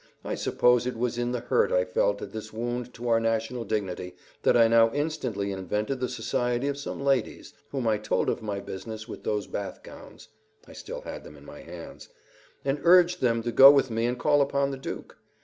I suppose it was in the hurt I felt at this wound to our national dignity that I now instantly invented the society of some ladies, whom I told of my business with those bath gowns (I still had them in my hands), and urged them to go with me and call upon the Duke.